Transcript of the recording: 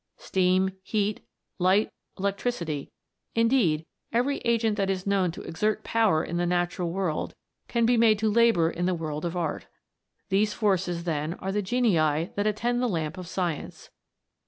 Steam, heat, light, electricity indeed, every agent that is known to exert power in the natural world, can be made to labour in the world of art. These forces, then, are the genii that attend the lamp of science.